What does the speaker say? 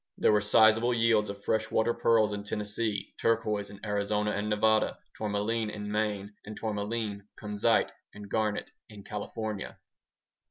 There were sizeable yields of freshwater pearls in Tennessee, turquoise in Arizona and Nevada, tourmaline in Maine, and tourmaline, kunzite, and garnet in California.